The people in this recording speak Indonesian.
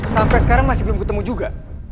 sampai sekarang masih belum ketemu juga